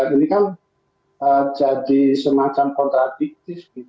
ini kan jadi semacam kontradiktif